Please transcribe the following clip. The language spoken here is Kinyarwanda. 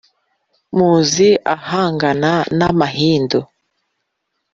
muzi ahangana n'amahindu